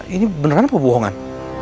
ini beneran apa bohongan